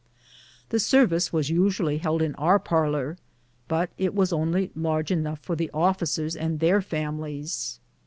The service was usually held in our parlor, but it was only large enough for the officers and their families.